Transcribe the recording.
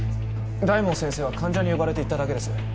大門先生は患者に呼ばれて行っただけです。